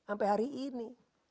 ampe hari ini